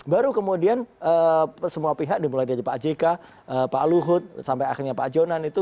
baru kemudian semua pihak dimulai dari pak jk pak luhut sampai akhirnya pak jonan itu